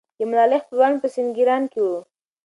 د ملالۍ خپلوان په سینګران کې وو.